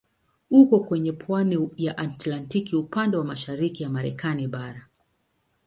Uko kwenye pwani ya Atlantiki upande wa mashariki ya Marekani bara.